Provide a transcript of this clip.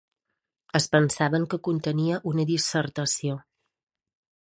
Es pensaven que contenia una dissertació.